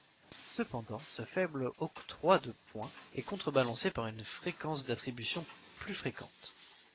Cependant, ce faible octroi de points est contrebalancé par une fréquence d'attribution plus fréquente.